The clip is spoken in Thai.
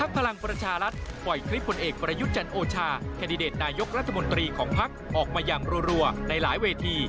แคดดิเดตนายกรัฐมนตรีของภักดิ์ออกมาอย่างรัวในหลายเวที